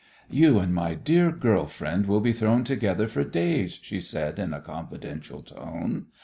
"You and my dear girl friend will be thrown together for days," she said, in a confidential tone.